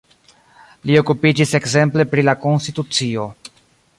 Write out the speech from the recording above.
Li okupiĝis ekzemple pri la konstitucio.